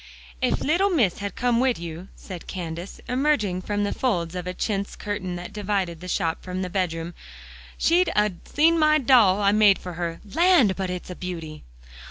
"Ef little Miss had come wid you," said Candace, emerging from the folds of a chintz curtain that divided the shop from the bedroom, "she'd 'a' seen my doll I made for her. Land! but it's a beauty."